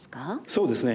そうですね。